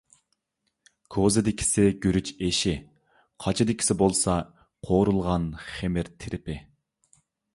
كوزىدىكىسى گۈرۈچ ئېشى، قاچىدىكىسى بولسا، قورۇلغان خېمىر تىرىپى.